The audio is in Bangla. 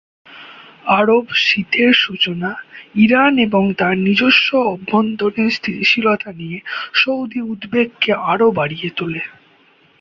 আরব শীতের সূচনা ইরান এবং তার নিজস্ব অভ্যন্তরীণ স্থিতিশীলতা নিয়ে সৌদি উদ্বেগ কে আরও বাড়িয়ে তোলে।